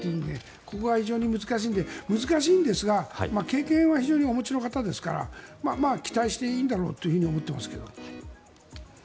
ここが非常に難しいんですが経験は非常にお持ちの方ですから期待していいんだろうと思ってますけど。